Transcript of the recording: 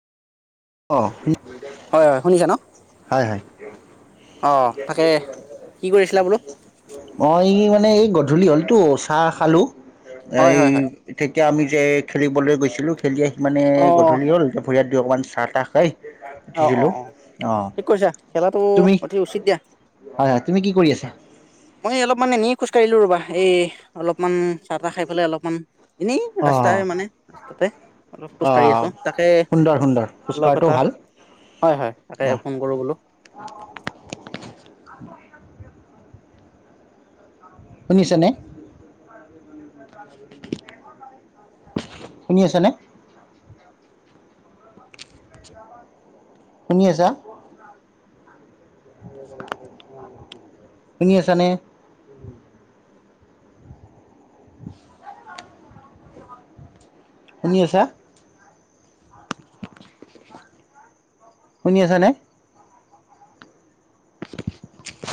অ হয় হয় শুনিছা ন হয়, হয়। অ তাকে কি কৰিছিলা বোলো [unintelligible] অ এই মানে এই ধূলি হলটো চাহ খালোঁ। হয় এই হয় হয় এতিয়া এতিয়া আমি যে খেলিবলৈ গৈছিলোঁ খেলি সি মানে অ গধূলি হ'ল এতিয়া ভৰি-হাত অকমান চাহ তাকেই। অ, অ, অ। ঠিক কৈছা। খেলাটো তুমি অতি উচিত দিয়া। হয় হয় তুমি কি কৰি আছা? মই অলপমান এনেই খোজ কাঢ়িলো ৰবা। এই অলপমান চাহ-তাহ খাই পেলাই অলপমান এনেই অ ৰাস্তাই মানে ৰাস্তাতে অলপ অ খোজকাঢ়ি আছোঁ। তাকে সুন্দৰ সুন্দৰ অলপ খোজকঢ়াটো এটা ভাল হয় হয় তাকে অ ফোন কৰোঁ বোলো। [inaudible] শুনিছে নে? শুনি আছে নে? শুনি আছা? শুনি আছানে? [inaudible] শুনি আছা। শুনি আছানে ।